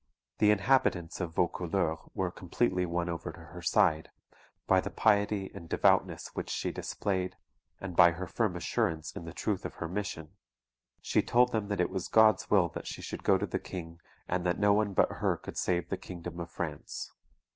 The inhabitants of Vaucouleurs were completely won over to her side, by the piety and devoutness which she displayed and by her firm assurance in the truth of her mission. She told them that it was God's will that she should go to the King, and that no one but her could save the kingdom of France.